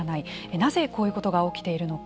なぜ、こういうことが起きているのか。